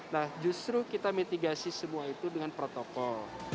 nah justru kita mitigasi semua itu dengan protokol